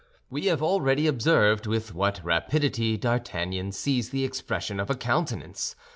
We have already observed with what rapidity D'Artagnan seized the expression of a countenance.